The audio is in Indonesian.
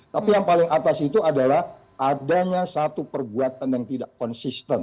tapi yang paling atas itu adalah adanya satu perbuatan yang tidak konsisten